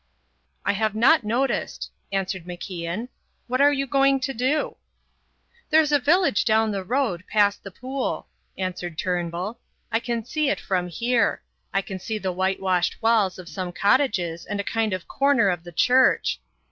"I have not noticed," answered MacIan. "What are you going to do?" "There's a village down the road, past the pool," answered Turnbull. "I can see it from here. I can see the whitewashed walls of some cottages and a kind of corner of the church.